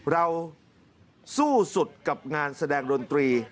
เราสู้สุดกับงานแสดงดนตรี